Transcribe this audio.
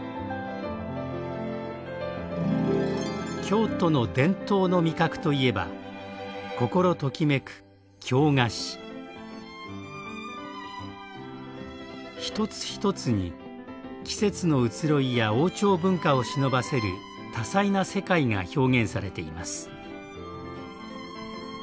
京都の伝統の味覚といえば一つ一つに季節の移ろいや王朝文化をしのばせる多彩な世界が表現されています。